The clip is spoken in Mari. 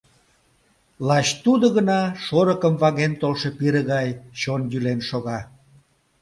Лач тудо гына шорыкым ваҥен толшо пире гай чон йӱлен шога.